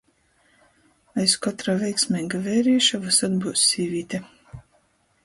Aiz kotra veiksmeiga veirīša vysod byus sīvīte.